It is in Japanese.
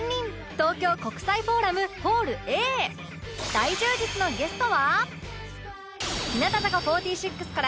大充実のゲストは